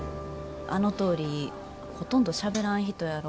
あのとおりほとんどしゃべらん人やろ。